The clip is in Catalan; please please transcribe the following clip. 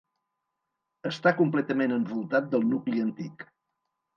Està completament envoltat del nucli antic.